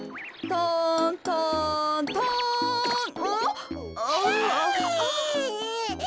トントントンうん？